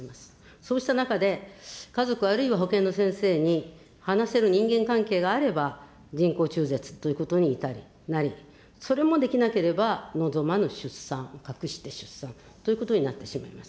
そうした中で、家族、あるいは保健の先生に、話せる人間関係があれば、人工中絶ということに至り、なり、それもできなければ、望まぬ出産、隠して出産ということになってしまいます。